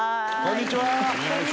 こんにちは。